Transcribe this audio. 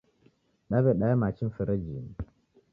Daw'edaya machi mferejinyi